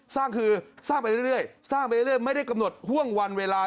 สร้างคือสร้างไปเรื่อยสร้างไปเรื่อยไม่ได้กำหนดห่วงวันเวลา